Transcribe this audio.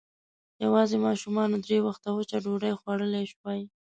يواځې ماشومانو درې وخته وچه ډوډۍ خوړلی شوای.